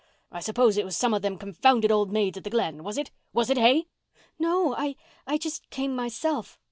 I suppose it was some of them confounded old maids at the Glen, was it—was it, hey?" "No—I—I just came myself."